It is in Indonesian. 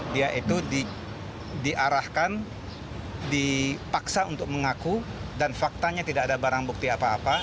dia itu diarahkan dipaksa untuk mengaku dan faktanya tidak ada barang bukti apa apa